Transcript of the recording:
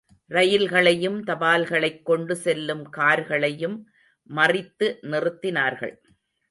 ரயில்களையும் தபால்களைக் கொண்டு செல்லும் கார்களையும் மறித்து நிறுத்தினார்கள்.